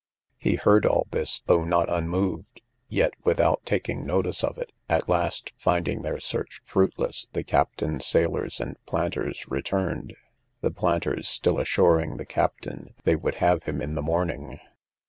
He heard all this, though not unmoved, yet without taking notice of it: at last, finding their search fruitless, the captain, sailors, and planters returned; the planters still assuring the captain they would have him in the morning.